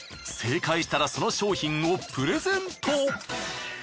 正解したらその商品をプレゼント。